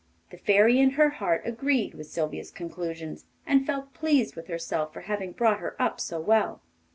The Fairy in her heart agreed with Sylvia's conclusions, and felt pleased with herself for having brought her up so well.